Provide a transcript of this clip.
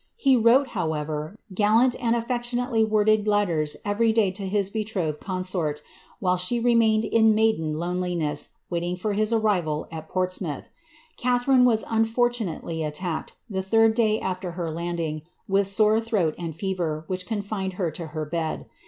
He wrote, however, gallant and aflectionately worded letters every day to his betrothed consort, while she remained in maiden loneliness, waiting for his arrival at Portsmouth. Catharine was unfortunately attacked, the third day after her landing, with sore throat and fever, which confined her to her bed.